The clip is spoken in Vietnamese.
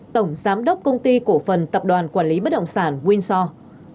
tổng giám đốc công ty cổ phần tập đoàn quản lý bất động sản winsore